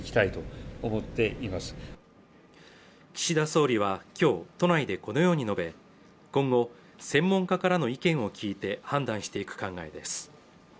岸田総理は今日都内でこのように述べ今後専門家からの意見を聞いて判断していく考えです